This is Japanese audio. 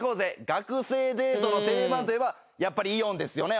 学生デートの定番といえばやっぱりイオンですよね。